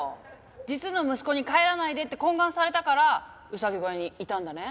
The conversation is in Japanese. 実の息子に帰らないでって懇願されたからうさぎ小屋にいたんだね？